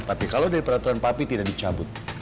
tapi kalau dari peraturan papi tidak dicabut